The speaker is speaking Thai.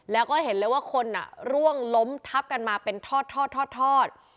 แล้วก็เห็นเลยว่าคนร่วงล้มทับกันมาเป็นทอด